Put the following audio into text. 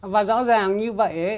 và rõ ràng như vậy ấy